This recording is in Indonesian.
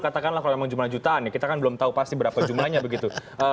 katakanlah kalau memang jumlah jutaan ya kita kan belum tahu pasti berapa jumlahnya begitu